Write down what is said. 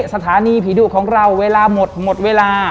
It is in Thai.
สถานีผีดุของเราเวลาหมดหมดเวลา